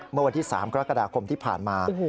เมื่อวันที่๓กรกฎาคมที่ผ่านมา